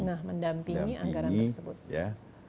nah mendampingi anggaran tersebut